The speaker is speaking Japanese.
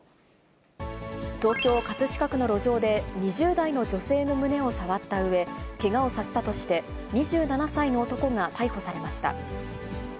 東京・葛飾区の路上で、２０代の女性の胸を触ったうえ、けがをさせたとして、２７歳の男が逮捕されました。